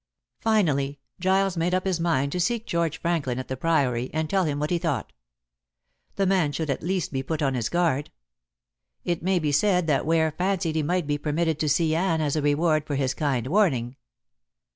Finally Giles made up his mind to seek George Franklin at the Priory and tell him what he thought. The man should at least be put on his guard. It may be said that Ware fancied he might be permitted to see Anne as a reward for his kind warning.